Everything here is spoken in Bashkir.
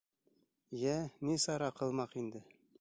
Йә, ни сара ҡылмаҡ инде?